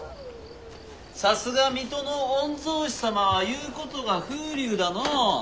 さすが水戸の御曹司様は言うことが風流だのう。